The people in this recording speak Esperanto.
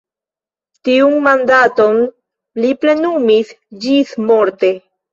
Tiun mandaton li plenumis ĝismorte.